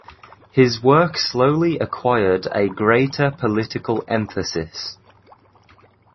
His work slowly acquired a greater political emphasis.